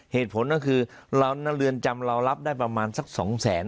เหตุผลก็คือเรือนจำเรารับได้ประมาณสักสองแสน